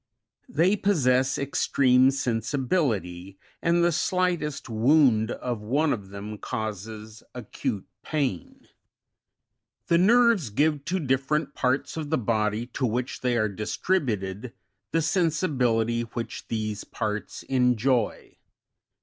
They possess extreme sensibility, and the slightest wound of one of them causes acute pain. 21. The nerves give to different parts of the body to which they are distributed, the sensibility which these parts enjoy.